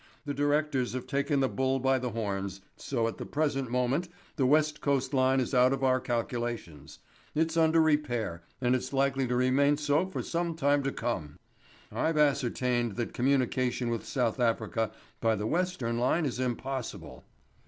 The directors have taken the bull by the horns, so at the present moment the West Coast line is out of our calculations. It's under repair, and it's likely to remain so for some time to come. I've ascertained that communication with South Africa by the Western line is impossible.